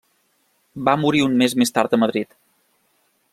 Va morir un mes més tard a Madrid.